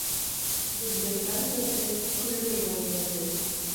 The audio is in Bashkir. Бөлдөргән дә тел, көлдөргән дә тел.